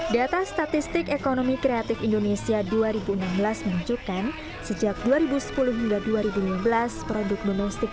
hai data statistik ekonomi kreatif indonesia dua ribu enam belas menunjukkan sejak dua ribu sepuluh dua ribu lima belas produk domestik